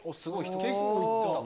結構行った。